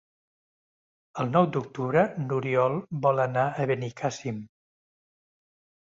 El nou d'octubre n'Oriol vol anar a Benicàssim.